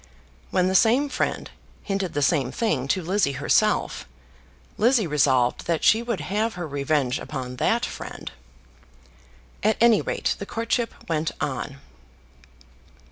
When the same friend hinted the same thing to Lizzie herself, Lizzie resolved that she would have her revenge upon that friend. At any rate the courtship went on.